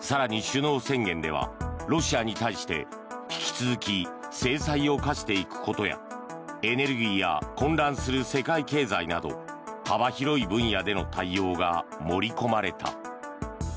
更に首脳宣言ではロシアに対して引き続き制裁を科していくことやエネルギーや混乱する世界経済など幅広い分野での対応が盛り込まれた。